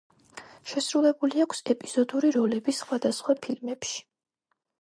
შესრულებული აქვს ეპიზოდური როლები სხვადასხვა ფილმებში.